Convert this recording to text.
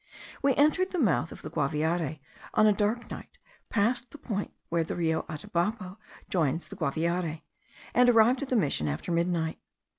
We entered the mouth of the Guaviare on a dark night, passed the point where the Rio Atabapo joins the Guaviare, and arrived at the mission after midnight.